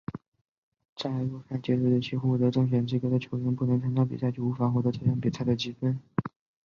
在入赛截止日期获得正选资格的球员不参加比赛就无法获得这项比赛的积分。